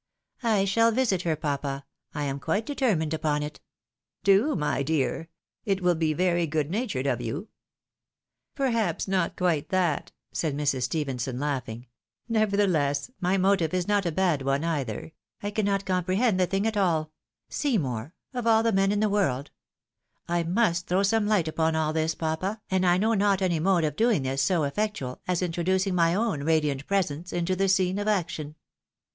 " I shall visit her, papa, I am quite determined upon it." " Do, my dear ; it will be very good natured of you." " Perhaps not quite that," said Mrs. Stephenson laughing ; "nevertheless, my motive is not a bad one either — I cannot bonny's shixees theeateked. 327 comprehend tlie thing at all — Seymour, of all men in the world I I must throw some light upon all this, papa, and I know not any mode of doing this, so effectual, as introducing my own radiant presence into the scene of action."